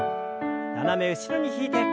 斜め後ろに引いて。